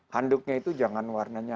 handuknya itu jangan warnanya